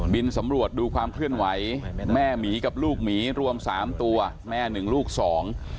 บินสำรวจดูความเคลื่อนไหวแม่หมีกับลูกหมีรวมสามตัวแม่หนึ่งลูกสอง